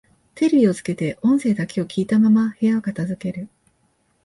テレビをつけて音声だけを聞いたまま部屋を片づける